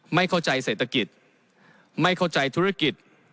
ไม่เข้าใจเศรษฐกิจไม่เข้าใจธุรกิจ